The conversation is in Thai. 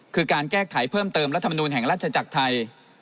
คือการแก้ไขเพิ่มเติมรัฐมนูลแห่งราชจักรไทย